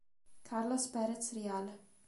Carlos Pérez Rial